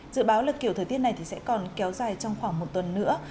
dự báo là kiểu thời tiết này sẽ còn kéo dài trong khoảng một tuần nữa